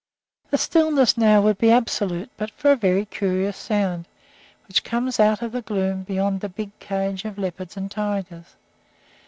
The stillness now would be absolute but for a very curious sound, which comes out of the gloom beyond the big cage of leopards and tigers.